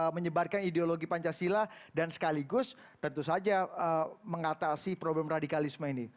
menyebarkan ideologi pancasila dan sekaligus tentu saja mengatasi problem radikalisme ini